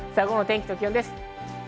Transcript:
午後の天気と気温です。